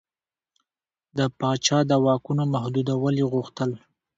د پاچا د واکونو محدودول یې غوښتل.